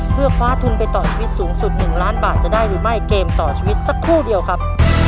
เพื่อคว้าทุนไปต่อชีวิตสูงสุด๑ล้านบาทจะได้หรือไม่เกมต่อชีวิตสักครู่เดียวครับ